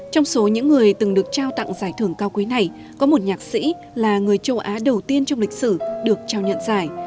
trong số những người từng được trao tặng giải thưởng cao quý này có một nhạc sĩ là người châu á đầu tiên trong lịch sử được trao nhận giải